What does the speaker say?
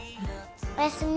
おやすみ。